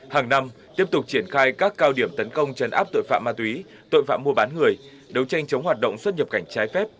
hàng năm tiếp tục triển khai các cao điểm tấn công chấn áp tội phạm ma túy tội phạm mua bán người đấu tranh chống hoạt động xuất nhập cảnh trái phép